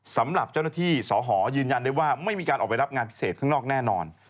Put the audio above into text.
สำหรับเจ้าหน้าที่สหยืนยันได้ว่าไม่มีการออกไปรับงานพิเศษข้างนอกแน่นอน